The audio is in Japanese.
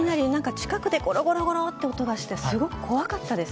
近くでゴロゴロという音がしてすごく怖かったです。